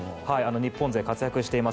日本勢活躍しています